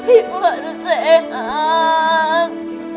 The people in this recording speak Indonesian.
ibu harus sehat